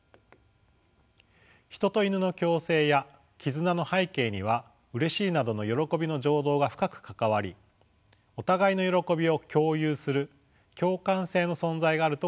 ヒトとイヌの共生や絆の背景にはうれしいなどの喜びの情動が深く関わりお互いの喜びを共有する共感性の存在があると考えられています。